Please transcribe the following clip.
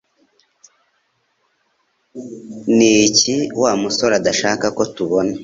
Ni iki Wa musore adashaka ko tubona